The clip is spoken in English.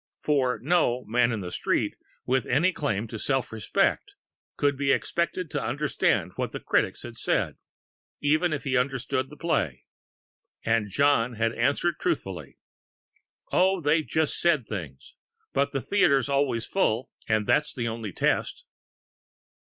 For no "Man in the Street," with any claim to self respect, could be expected to understand what the Critics had said, even if he understood the Play. And John had answered truthfully: "Oh, they just said things. But the theatre's always full and that's the only test."